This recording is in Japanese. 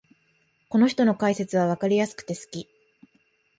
この人の解説はわかりやすくて好き